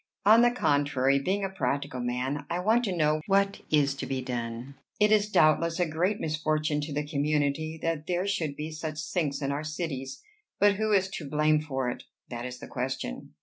"On the contrary, being a practical man, I want to know what is to be done. It is doubtless a great misfortune to the community that there should be such sinks in our cities; but who is to blame for it? that is the question."